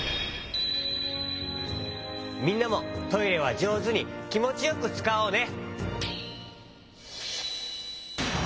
みんなもトイレはじょうずにきもちよくつかおうね。